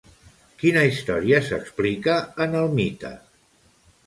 Quina història s'explica en el mite?